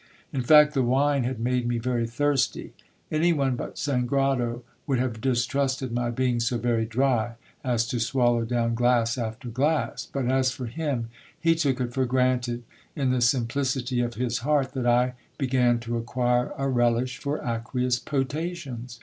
In fact, the wine had made me very thirsty. Any one but Sangrado would have distrusted my being so very dry, as to swallow down glass after glass : bat as for him, he took it for granted, in the simplicity of his heart, that I began to acquire a relish for aqueous potations.